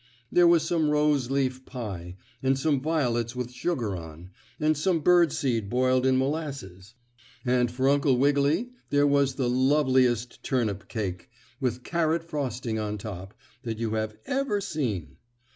There was some rose leaf pie, and some violets with sugar on, and some bird seed boiled in molasses, and for Uncle Wiggily there was the loveliest turnip cake, with carrot frosting on top, that you have ever seen.